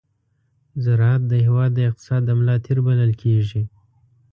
ز راعت د هېواد د اقتصاد د ملا تېر بلل کېږي.